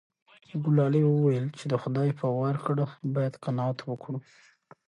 ګلالۍ وویل چې د خدای په ورکړه باید قناعت وکړو.